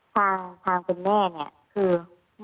ทางคุณแม่เนี่ยคือ